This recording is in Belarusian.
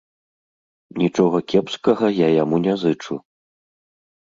Нічога кепскага я яму не зычу.